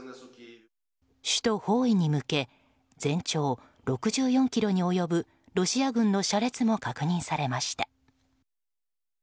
首都包囲に向け全長６４ｋｍに及ぶロシア軍の車列も確認されました。